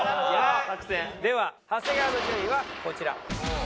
では長谷川の順位はこちら。